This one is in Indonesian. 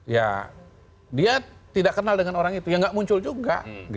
ya dia tidak kenal dengan orang itu ya nggak muncul juga